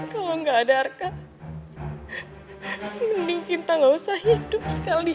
kalau gak ada arka mending kinta gak usah hidup sekalian